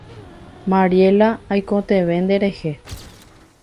Mariela, aikotevẽ nderehe.